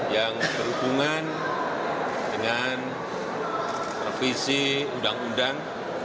yang berhubungan dengan revisi undang undang